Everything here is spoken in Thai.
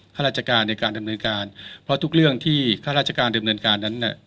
ข้าราชการในการดำเนินการเพราะทุกเรื่องที่ข้าราชการดำเนินการนั้น